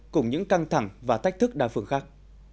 cùng những căng thẳng và thách thức đa phương khác